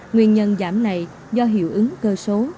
nguyên nhân giảm này do hiệu ứng cơ số